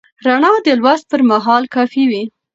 رڼا د لوست پر مهال کافي وي.